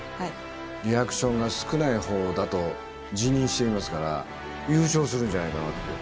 リアクションが少ない方だと自認していますから、優勝するんじゃないかなって。